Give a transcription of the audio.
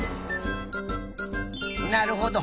なるほど。